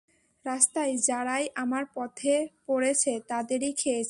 রাস্তায় যারাই আমার পথে পড়েছে তাদেরই খেয়েছি।